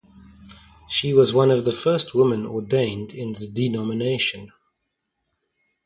She was one of the first women ordained in the denomination.